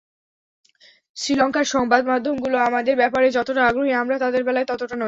শ্রীলঙ্কার সংবাদমাধ্যমগুলো আমাদের ব্যাপারে যতটা আগ্রহী, আমরা তাদের বেলায় ততটা নই।